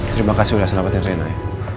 terima kasih udah selamatin rena ya